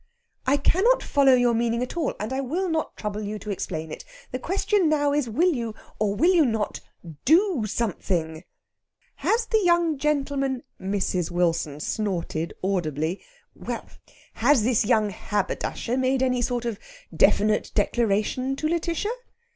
"I cannot follow your meaning at all. And I will not trouble you to explain it. The question now is will you, or will you not, do something?" "Has the young gentleman?" Mrs. Wilson snorted audibly "Well, has this young haberdasher made any sort of definite declaration to Lætitia?"